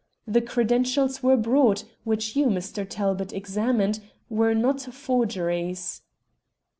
The credentials we brought, which you, Mr. Talbot, examined, were not forgeries."